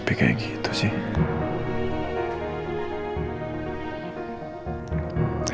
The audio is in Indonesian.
tapi kayak gitu sih